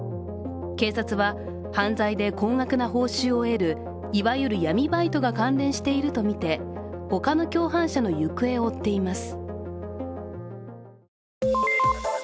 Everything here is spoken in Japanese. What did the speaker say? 警察は、犯罪で高額な報酬を得るいわゆる闇バイトが関連しているとみて他の共犯者の行方を追っています。